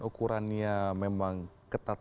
ukurannya memang ketat